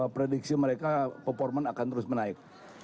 prediksi mereka performa akan terus menaik